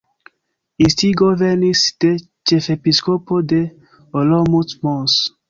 Instigo venis de ĉefepiskopo de Olomouc Mons.